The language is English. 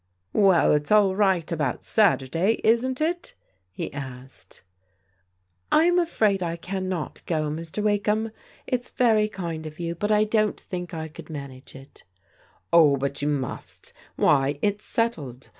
" Well, it's all right about Saturday, isn't it?" he asked. 230 PRODIGAL DAUGHTERS " I'm afraid I cannot go, Mr. Wakeham. It's very kind of you, but I don't think I could manage it" " Oh, but you must Why, it's settled.